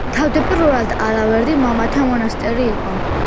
თავდაპირველად, ალავერდი მამათა მონასტერი იყო.